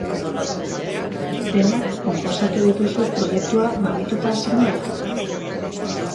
Denak konposatu dituzu proiektua mamituta zenuela?